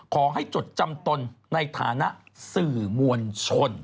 จดจำตนในฐานะสื่อมวลชน